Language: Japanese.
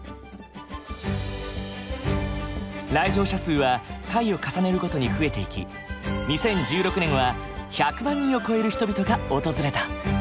来場者数は回を重ねるごとに増えていき２０１６年は１００万人を超える人々が訪れた。